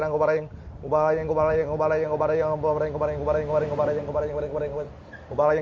อ่าวหลงมา